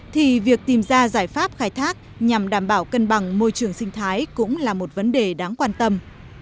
thì việc tìm ra giải pháp khai thác nhằm đảm bảo cân bằng môi trường sinh thái cũng là một vấn đề đáng quan tâm